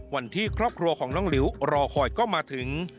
วันที่ครอบครัวของน้องหลิวรอคอยก็มาถึง